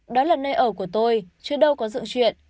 đó là nơi ở của tôi chứ đâu có dựng chuyện